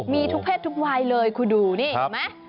มีทุกเพศทุกวัยเลยคุณดูนี่เห็นไหม